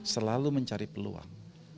selalu mencari peluang